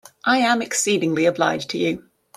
I am exceedingly obliged to you.